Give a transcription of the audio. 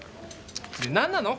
で何なの？